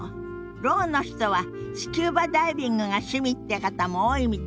ろうの人はスキューバダイビングが趣味って方も多いみたいなの。